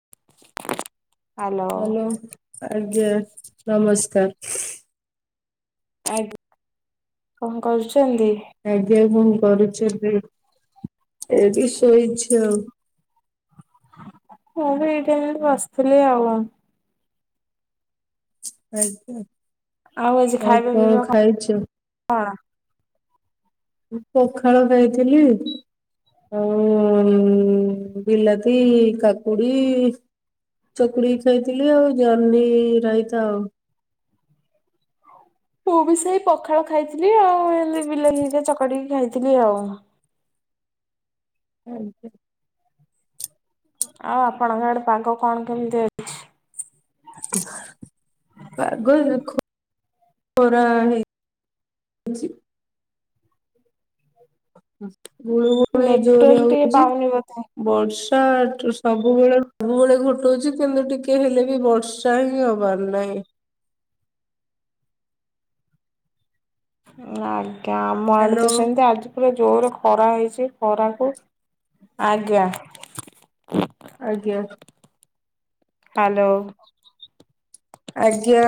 [inaudible] Hello. Hello ଆଜ୍ଞା ନମସ୍କାର ଆଜ୍ଞା କଣ କରୁଛୁ ଆଜ୍ଞା ହୁଁ ଏଇଠି ଶୋଇଛି ହଁ ଭାଇ ଏଇଠି ଏମିତି ବସିଥିଲି ଆଉ ଆଜ୍ଞା ଆଜି ଆଉ ଖାଇବା କଣ ପିଇବା ଖାଇଚ ମୁଁ ପଖାଳ ଖାଇଥିଲି ହଁ ବିଲାତି କାକୁଡି ଚକୁଟିକି ଖାଇଥିଲି ଆଉ ଜହ୍ନି ରାଇତା ଆଉ ମୁଁ ବି ସେଇ ପଖାଳ ଖାଇଥିଲି ଆଉ ଏମୀତି ବିଲାତି ହେରିକା ଚକାଟିକି ଖାଇଥିଲି ନଆଉ [inaudible] ହୁଁ ଆଉ ଆପଣଙ୍କଆଡେ ପାଗ କଣ କେମିତି ଅଛି ପାଗ ଦେଖ ଖରା [inaudible] ଗୁଳୁଗୁଳି ଜୋରରେ ନେଟୱାର୍କ ଟିକେ ହଉଛି ପାଉନି ବୋଧେ। ବର୍ଷ ସବୁବେଳେ ସବୁବେଳେ ଘୋଟଉଛି କିନ୍ତୁ ଟିକେ ହେଲେ ବି ବର୍ଷା ହିଁ ହବାର ନହିଁ ଆଜ୍ଞା ଆମ ଆଡେ ତ ହ୍ୟାଲୋ ସେମିତି ଆଜି ପୁରା ଜୋରରେ ଖରା ହେଇଛି ଖରାକୁ ଆଜ୍ଞା ଆଜ୍ଞା ହେଲୋ ଆଜ୍ଞା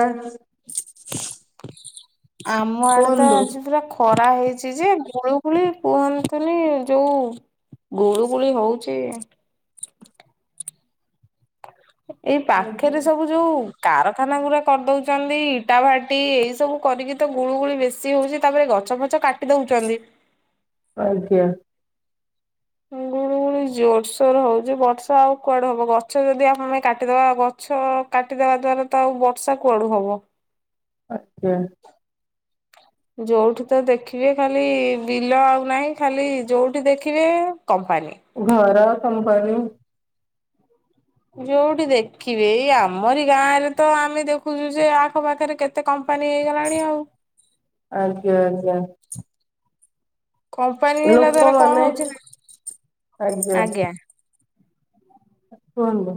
ଆମ ଆଡେ ତ କୁହନ୍ତୁ। ଆଜି ପୁରା ଖରା ହେଇଛି ଯେ ଗୁଳୁଗୁଳି କୁହନ୍ତୁନି ଯୋଉ ଗୁଳୁଗୁଳି ହଉଚି ଏଇ ଆଜ୍ଞା ପାଖରେ ସବୁ ଯୋଉ କାରଖାନାଗୁରା କରିଦଉଛନ୍ତି ଇଟା ଭାଟି ଏଇ ସବୁ କରିକି ତ ଗୁଳୁଗୁଳି ବେଶୀ ହଉଛି ତାପରେ ଗଛଫଛ କାଟି ଦଉଛନ୍ତି ଆଜ୍ଞା [inaudible] ପୁଣି ଜୋରସୋର ହଉଛି ବର୍ଷା ଆଉ କୁଆଡେ ହବ ଗଛ ଯଦି ଆମେ କାଟିଦବା ଗଛ କାଟିଦବା ଦେବା ଦ୍ଵାରା ତ ଆଉ ବର୍ଷା କୁଆଡୁ ହବ ଆଜ୍ଞା [inaudible] ଯୋଉଠି ତ ଦେଖିବେ ଖାଲି ବିଲ ଆଉ ନାହିଁ ଖାଲି ଯୋଉଠି ଦେଖିବେ କମ୍ପାନୀ। ଘର କମ୍ପାନୀ ଯୋଉଠି ଦେଖିବେ ଏଇ ଆମରି ଗାଁରେ ତ ଆମେ ଦେଖୁଛୁ ଯେ ଆଖପାଖରେ କେତେ ଏତେ କମ୍ପାନୀ ହେଇଗଲାଣି ଆଉ ଆଜ୍ଞା ଆଜ୍ଞା। କମ୍ପାନୀ ହେଲା ଦ୍ୱାରା କଣ ଲୋକମାନେ ହଉଛି ନା ଆଜ୍ଞା କୁହନ୍ତୁ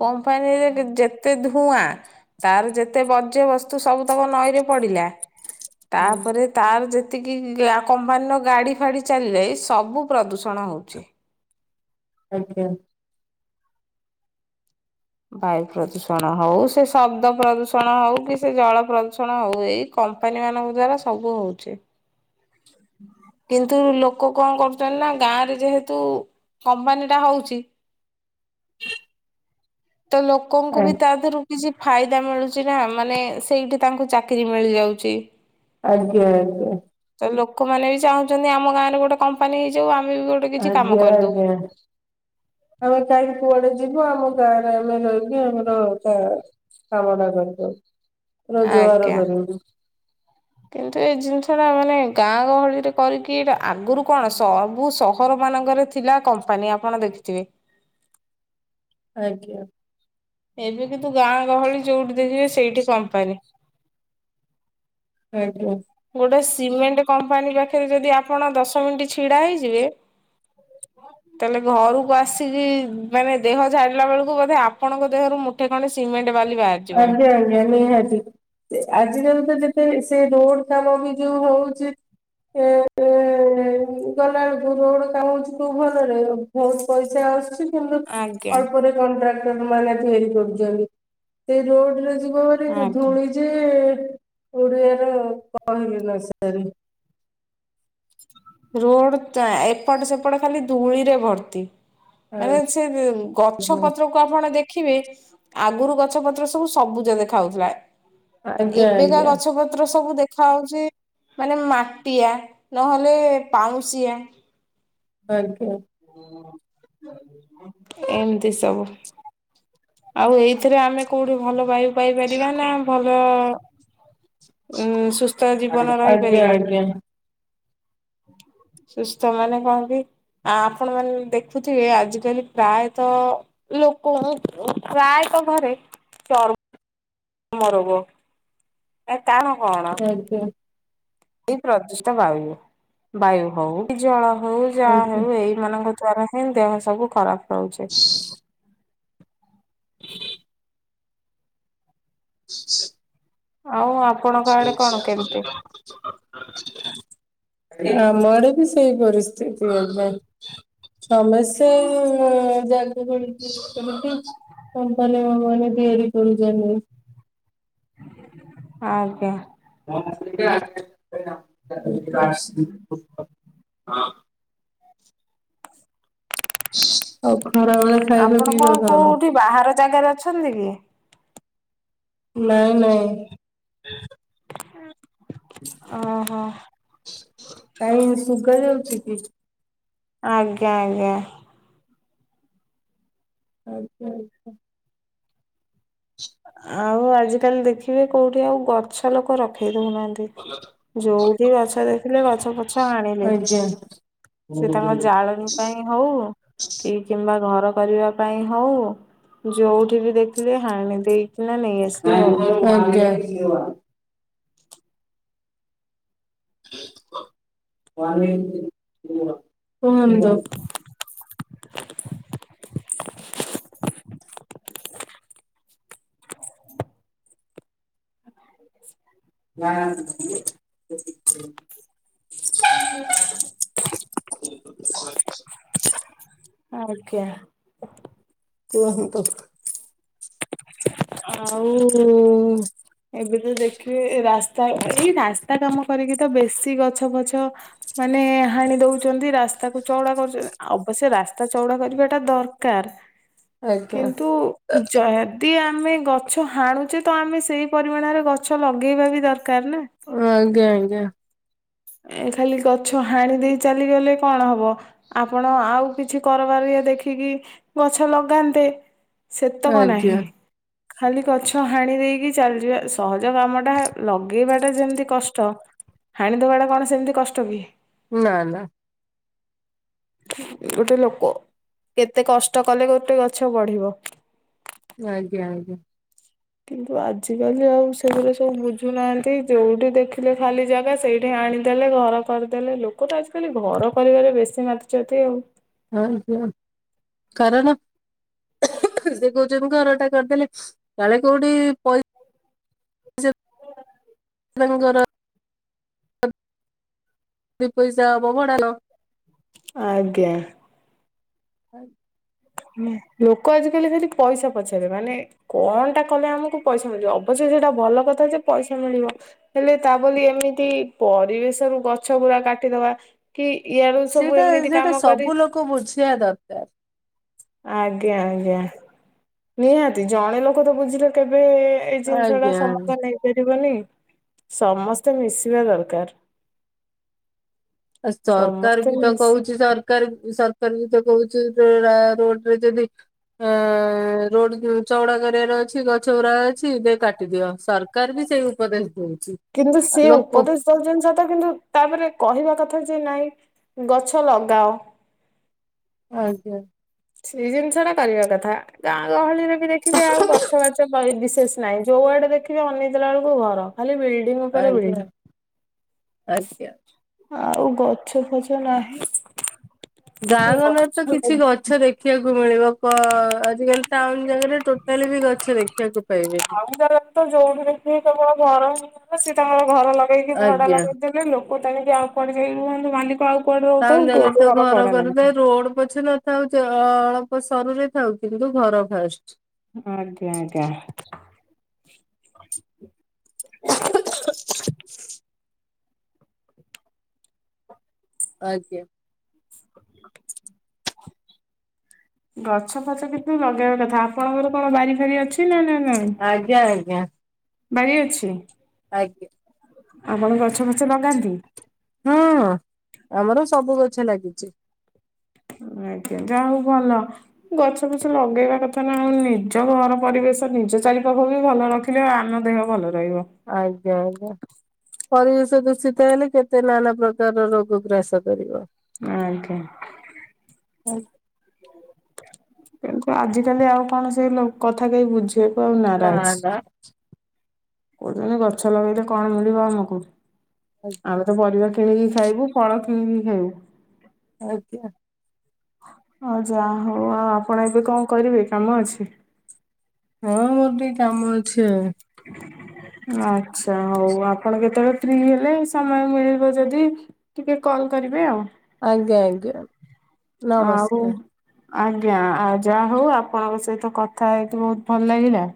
କମ୍ପାନୀରେ ଯେତେ ଧୂଆଁ ତାର ଯେତେ ବର୍ଜ୍ୟ ବସ୍ତୁ ସବୁତକ ନଈରେ ପଡିକି ଲା ହୁଁ ତାପରେ ତାର ଯେ ଯେତିକି କମ୍ପାନୀର ଗାଡିଫାଡି ଚାଲିଲେ ସବୁ ପ୍ରଦୂଷଣ ହଉଛି ଆଜ୍ଞା। ବାୟୁ ପ୍ରଦୂଷଣ ହଉ ସେ ଶବ୍ଦ ପ୍ରଦୂଷଣ ହଉ କି ସେ ଜଳ ପ୍ରଦୂଷଣ ହଉ ଏଇ କ କମ୍ପ [inaudible] ହୁଁ। କିନ୍ତୁ ଲୋକ କଣ କରୁଛନ୍ତି ନା ଗାଁରେ ଯେହେତୁ କମ୍ପାନୀ ଟା ହଉଛି [inaudible] ତ ଲୋକଙ୍କୁ ବି ଆଜ୍ଞା ତା ଦେହରୁ କିଛି ଫାଇଦା ମିଳୁଛି ନା ମାନେ ସେଇଠି ତାଙ୍କୁ ଚାକିରିୀ ମିଳିଯାଉଛି ଆଜ୍ଞ ଆଜ୍ଞା। ତ ଲୋକମାନେ ବି ଚାହୁଁଛନ୍ତି ଆମ ଗାଁ ରେ ଗୋଟେ କମ୍ପାନୀ ହେଇଯାଉ ଆମ ଆଜ୍ଞା ଆଜ୍ଞା ଆ କାଇ କୁଆଡେ ଯିବ ଆମ ଗାଁରେ ଆମେ ରହିବି ଆମର ତା କାମ ଟା କରିଦଉ। ରୋଜଗାର ଆଜ୍ଞା। କରିବୁ। କିନ୍ତୁ ଏ ଜିନିଷ ଟା ମାନେ ଗାଁ ଗହଳିରେ କରିକି ଏଟା ଆଗରୁ କଣ ସବୁ ସହର ମ ମାନଙ୍କର ଥିଲା କମ୍ପାନୀ ଆପଣ ଦେଖିଥିବେ ଆଜ୍ଞା। ଏବେ କିନ୍ତୁ ଗାଁ ଗହଳି ଯୋଉଠି ଦେଖିବେ ସେଇଠି କମ୍ପାନ। ଆଜ୍ଞା। ଗୋଟେ ସିମେଣ୍ଟ କମ୍ପାନୀ ପାଖରେ ଯଦି ଆପଣ ଦଶ ମିନିଟ ଛିଡା ହେଇଯିବେ [inaudible] ତାହେଲେ ଘରକୁ ଆସିକି ମାନେ ଦେହ ଝାଡିଲା ବେଳକୁ ବୋଧେ ଆପଣଙ୍କ ଦେହରୁ ମୁଠେ ଖଣ୍ଡେ ସିମେଣ୍ଟ ବାଲି ବାହାରିଯିବଣି। ଆଜ୍ଞା ଆଜ୍ଞା ନିହାତି ଆଜି କାଲି ତ ସେ ରୋଡ କାମ ବି ଯୋଉ ହଉଚିତ ଏ ଗଲାବେଳକୁ ରୋଡ କାମହଉଛି ତୋଉ ଭଲରେ ବହୁତ ପଇସା ଆସୁଛି କିନ୍ତୁ ଆଜ୍ଞା ଅଳ୍ପରେ କଣ୍ଟ୍ରାକ୍ଟର ମାନେ ତିଆରି କରୁଛନ୍ତି। ସେ ରୋଡ ରେ ଯିବା ପରେ ଆଜ୍ଞା। ଧୂଳି ଯେ ଓଡିଆ ର କି ଲି ସାର ରୋଡ ଏପଟ ସେପଟ ଖାଲି ଧୂଳିରେ ଭର୍ତି ମାନେ ସେ ଗଛ ଆଜ୍ଞା ପତ୍ରକୁ ଆପଣ ଦେଖ ଦେଖିବେ ଆଗରୁ ଗଛ ପତ୍ର ସବୁ ସବୁଜ ଦେଖାଯାଉଥିଲା ଆଜ୍ଞା ଏବେକା ଆଜ୍ଞା ଗଛ ପତ୍ର ସବୁ ଦେଖ ଦେଖା ହଉଛି ମାନେ ମାଟିଆ ନହେଲେ ପାଉଁଶିଆ ଆଜ୍ଞା। ଏମିତି ସବୁ। ଆଉ ଏଇଥିରେ ଆମେ କୋଉଠି ଭଲ ବାୟୁ ପାଇପାରିବା ନା ଭଲ ଉଁ ସୁସ୍ଥ ଜୀବନ ଆଜ୍ଞା ରହିପାରିବା। ଆଜ୍ଞା। [inaudible] ସୁସ୍ଥ ମାନେ କଣ କି ଆ ଆପଣ ମାନ ଦେଖୁଥିବେ ଆଜିକାଲି ପ୍ରାୟତଃ ଲୋକ କୁ ପ୍ରାୟ ତ ଘରେ ଚର୍ମ ରୋଗ କାରଣ କଣ? ଏଇ ପ୍ରଦୂଷ୍ଟ ବାୟୁ ବାୟୁ ହଉ ଜଳ ହଉ ଯାହା ହଉ ଏଇ ମାନଙ୍କ ଦ୍ଵାରା ହିଁ ଦେହ ସବୁ ଖରାପ ରହୁଛି। [inaudible] ଆଉ ଅପ [unintelligible] ଆମର ବି ସେଇ ପରିସ୍ଥିତି ଏବେ। ସମସ୍ୟା ଜାଗ କମ୍ପାନ ମାନେ ତିଆରି କରୁଛନ୍ତି ଆଜ୍ଞା। [unintelligible] ହଁ। ଆଉ ଖରାବେଳେ ଖାଇବା ଆପଣ ପିଇବା କଣ? କୋଉଠି ବାହାର ଜାଗାରେ ଅଛନ୍ତି କି? ନାଇଁ ନାଇଁ। ଓହୋ କାଇ ସୁଗା ଯାଉଚି କି? ଆଜ୍ଞା ଆଜ୍ଞା। ଆଜ୍ଞା। ଆଉ ଆଜିକାଲି ଦେଖିବେ କୋଉଠି ଆଉ ଗଛ ଲୋକ ରଖେଇ। ଶୁଣୁନାହାନ୍ତି ଯୋଉଠି ଗଛ ଦେଖିଲେ ଗଛ ପଛ ହାଣିଲେ। ଆଜ୍ଞା। ସେ କୁହନ୍ତୁ। ତାଙ୍କ ଜାଳଣୀ ପାଇଁ ହୋଉ କି କିମ୍ବା ଘର। କରିବା ପାଇଁ ହୋଉ ଯୋଉଠି ବି ଦେଖିଲି ହାଣି ଦେଇ। [unintelligible] କନ୍ତ [inaudible] ନ [unintelligible] [inaudible] ଆଜ୍ଞା। [inaudible] ଆଉ ଏବେ ତ ଦେଖିବେ ରାସ୍ତା ଏଇ ରାସ୍ତା କାମ କରିକି ତ ବେଶୀ ଗଛ ଫଛ ମାନେ ହାଣି ଦୋଉଛନ୍ତି ରାସ୍ ତାକୁ ଚଉଡ଼ା କରୁଚେ ଅବଶ୍ୟ ରାସ୍ତା ଚଉଡା କରିବା ଟା ଦରକାର। ଆଜ୍ଞା। କିନ୍ତୁ ଜଦି ଆ ଆମେ ଗଛ ହାଣୁଚେ ତ ଆମେ ସେଇ ପରିମାଣରେ ଗଛ ଲଗେଇବା ବି ଦର ଆଜ୍ଞା ଆଜ୍ଞା। ଏ ଖାଲି ଗଛ ହାଣି ଦେଇ ଚାଲିଗଲେ କଣ ହବ, ଆପଣ ଆଉ କିଛି କରି ଦେଖିକି ଗଛ ଲଗାନ୍ତେ ସେତକ ଆଜ୍ଞା ନାହିଁ। ଖାଲି ଗଛ ହାଣି ଦେଇକି ଚାଲିଯିବା ସହଜ କାମଟା ଲଗେଇବାଟା ଯେମିତି କଷ୍ଟ। ହାଣିଦବା ଟା କଣ ସେମିତି କଷ୍ଟ କି? ନା ନା। ଗୋଟେ ଲୋକ କେତେ କଷ୍ଟ କଲେ ଗୋଟେ ଗଛ ବଢ଼ିବ। ଆଜ୍ଞା। କିନ୍ତୁ ଆଜିକାଲି ଆଉ ସେଥିରେ ସବୁ ବୁଝୁନାହାନ୍ତି ଯେଉଁଠି ଦେଖିଲେ ଖାଲି ଜାଗା ସେଇଠି ଆଣିଦେଲେ ଘର କରିଦେଲେ ଲୋକ ତ ଆଜିକାଲି ଘର କରିବାରେ ବେଶୀ ମାତିଛନ୍ତି ଆଉ। ଆ କଣ ଦେଖ ଯେ [unintelligible] ଘର ଟା କରିଦେଲେ କାଳେ କୋଉଠି ପଇ ତାଙ୍କର। ଦୁଇ ପଇସା ହବ ଭଡ଼ା। ଆଜ୍ଞା। ଲୋକ ଆଜି କାଲି ପଇସା ପଛରେ ମାନେ କଣ ଟା କଲେ ଆମକୁ ପଇସା ମିଳିବ ଅବଶ୍ୟ ଭଲ କଥା ଯେ ପଇସା ମିଳିବ, ହେଲେ ତା ବୋଲି ଏମିତି ପରିବେଶ ରୁ ଗଛ ଗୁଡାକ କାଟିଦବା କି ଇଆଡୁ ସବୁ ସେଇଟା ଏମିତି ସେଇଟା କାମ କରି ସବୁ ଲୋକ ବୁଝିବା ଦରକାର। ଆଜ୍ଞା ଆଜ୍ଞା ନିହାତି ଜଣେ ଲୋକ ତ ବୁଝିଲେ କେବେ ଏଇ ଜିନିଷ ଟା ଆଜ୍ଞା ଆଜ୍ଞା। ସମାଧାନ ନେଇପାରିବନି। ସମସ୍ତେ ମିସିବା ଦରକାର। ସରକାର ସମସ୍ତେ ବି ତ ମିଶି କହୁଚି ସରକାର ସରକାର ବି ତ କହୁଚି ରୋଡରେ ଯଦି ଅ [unintelligible] ରୋଡ ଚଉଡା କରିବାର ଅଛି, ଗଛ ଗୁୁରା ଅଛି ଦେଇ କାଟିଦିଅ ସରକାର ବି ସେଇ ଉପଦେଶ ଦୋ କିନ୍ତୁ ସେ ଉପଦେଶ ଦର୍ଜନ ସହିତ କିନ୍ତୁ ତାପରେ କହିବା କଥା କଥା ଯେ ନାଇଁ ଗଛ ଲଗାଅ ଆଜ୍ଞା ସେଇ ଜିନିଷ ଟା କରିବା କଥା ଗାଁ ଗହଳିରେ ବି ଦେଖିବେ ଆଉ ଗଛ ବାଛ ବିଶେଷ ନାଇଁ ଯୋଉଆଡେ ଦେଖିବି ଅନି ଜଲା ବେଳକୁ ଘର ତାଲେ ବିଲ୍ଡିଙ୍ଗ ଉପରେ ଆଜ୍ଞା। ଆଜ୍ଞା। ବିଲ୍ଡିଙ୍ଗ ଆଉ ଗଛ ଫଛ ନାହିଁ ଗାଁ ଗଣ୍ଡରେ ତ ଗଛ କିଛି ଗଛ ଦେଖିବାକୁ ମିଳିବ ଆଜିକାଲି ଟାଉନ ଜାଗାରେ ଟୋଟାଲି ବି ଗଛ ଦେଖିବାକୁ ପାଇବେନି କ ଦେଖିବି ତ ଘର ହ ସି ତାଙ୍କର ଘର ଲଗେଇକି ଭଡା ଆଜ୍ଞା। ଲଗେଇଦେଲେ ଲୋକ ଟାଣିକି ଆଉ ପଡିଯାଇି କୁହ ମାଲିକ ଆଉ କୁଆଡେ ତା ରହୁଥାଉ ଜାଗାରେ ତ ଘର ଭଡା ଘ ଲାଗେ ରୋଡ ପଛ ନଥାଉଛିଳ ସରୁ ରେ ଖଥାାଉ କିନ୍ତୁ ଘର ଖାଉଛି ଆଜ୍ଞା ଆଜ୍ଞା। [unintelligible] ଆଜ୍ଞା ଗଛ ଫଛ କିଛିୁ ଲଗେଇବା କଥା ଆପଣଙ୍କର କଣ ବାରି ଫାରି ଅଛି ନା ଆଜ୍ଞା ଆଜ୍ଞା ବାଡ଼ିି ଅଛି ଆଜ୍ଞା ଆପଣ ଗଛ ଫଛ ଲଗାନ୍ତି ହଁ ଆମର ସବୁ ଗଛ ଲାଗିଛି ଆଜ୍ଞା ଯା ହଉ ଭଲ ଗଛ ଫଛ ଲଗେଇବା କଥା ନା ଆଉ ନିଜ ଘର ପରିବେଶ ନିଜ ଚାରିପଖ ବି ଭଲ ରଖିଲେ ଆଉ ଆନ ଦେହ ଭଲ ରହିବ ଆଜ୍ଞା ଆଜ୍ଞା ପରିବେଶ ଦୂଷିତ ହେଲେ କେତେ ନାନା ପ୍ରକାରର ରୋଗ ଗ୍ରାସ କରିବ ଆ ଆଞା ହଉ କିନ୍ତୁ ଆଜିିକାଲି ଆଉ କଣ ସେ କଥା କେହି ବୁଝୁ ସେ ପାଉ ନା ନାରାଜ ନା କହୁଛନ୍ତି ଗଛ ଲଗେଇଲେ କଣ ମିଳିବ ଆମକୁ ଆମେ ତ ପରିବା କିଣିକି ଖାଇବୁ ଫଳ କିଣିକି ଖାଇବୁ ଆଉ କି ଆଁ ଯା ହଉ ଆଉ ଆପଣ ଏବେ କଣ କରିବେ କାମ ଅଛି ହଁ ମୋର ଟିକେ କାମ ଅଛି ଆଚ୍ଛା ହଉ ଆପଣ କେତେବେଳେ ଫ୍ରି ହେଲେ ସମୟ ମିଳିବ ଯଦି ଟିକେ କଲ୍ କରିବେ ଆଉ ଆଜ୍ଞା ଆଜ୍ଞା ଆଉ ନମସ୍କାର ଆଜ୍ଞା ଆଉ ଯାହା ହଉ ଆପଣଙ୍କ ସହିତ କଥା ହେଇକି ବହୁତ ଭଲ ଲାଗିଲା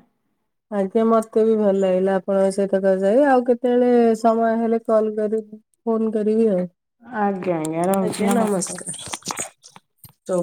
ଆଜ୍ଞା ମତେ ବି ଭଲ ଲାଗିଲା ଆପଣଙ୍କ ସହିତ କ ଯାଇ ଆଉ କେତେବେଳେ ସମୟ ହେଲେ କଲ କରିବ ଫୋନ କରିିବି ଆଉ ଆଜ୍ଞା ରହୁଛି ଆଜ୍ଞା ନମସ୍କାର। ନମସ୍କାର ତ